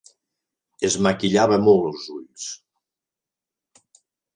Es maquillava molt els ulls.